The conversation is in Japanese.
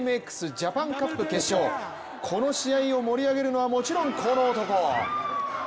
ジャパンカップ決勝この試合を盛り上げるのはもちろんこの男！